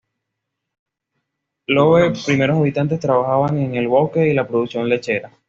Loe primeros habitantes trabajaban en el bosque y la producción lechera.